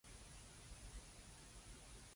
日日返工等收工